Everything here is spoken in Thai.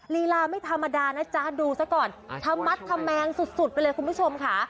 ลีลาไม่ธรรมดานะจ๊ะดูซะก่อนธรรมมัดธแมงสุดไปเลยคุณผู้ชมค่ะ